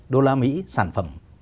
đô la mỹ sản phẩm